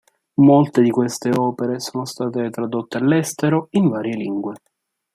Molte di queste opere sono state tradotte all'estero, in varie lingue.